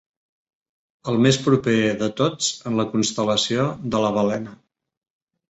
El més proper de tots en la constel·lació de la Balena.